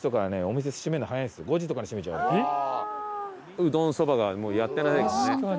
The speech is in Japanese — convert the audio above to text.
「うどんそば」がもうやってないからね。